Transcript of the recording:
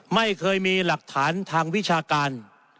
ไม่เคยมีหลักฐานทางวิชาการ